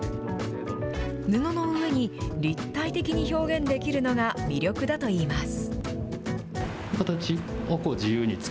布の上に立体的に表現できるのが魅力だといいます。